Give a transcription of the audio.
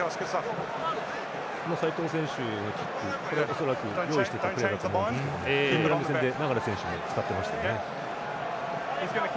齋藤選手のキックこれは用意してたプレーかと思いますがイングランド戦で流選手も使ってましたよね。